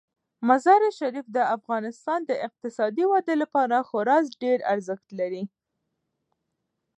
مزارشریف د افغانستان د اقتصادي ودې لپاره خورا ډیر ارزښت لري.